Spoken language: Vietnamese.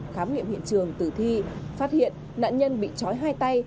khám nghiệm hiện trường tử thi phát hiện nạn nhân bị chói hai tay